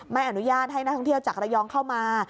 ไม่อนุญาตให้นักท่องเที่ยวจากระยองเข้ามา